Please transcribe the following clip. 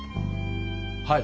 はい。